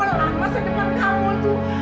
lama sedangkan kamu itu